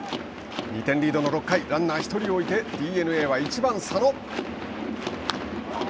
２点リードの６回ランナー１人を置いてＤｅＮＡは１番、佐野。